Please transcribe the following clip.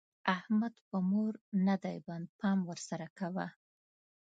احمد په مور نه دی بند؛ پام ور سره کوه.